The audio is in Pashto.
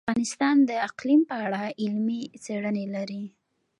افغانستان د اقلیم په اړه علمي څېړنې لري.